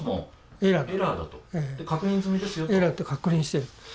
エラーと確認してると。